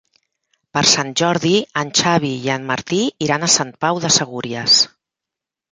Per Sant Jordi en Xavi i en Martí iran a Sant Pau de Segúries.